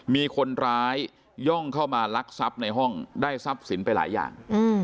มีคนร้ายย่องเข้ามาลักทรัพย์ในห้องได้ทรัพย์สินไปหลายอย่าง